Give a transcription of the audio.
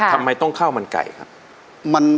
ทำไมต้องข้าวมันไก่ครับ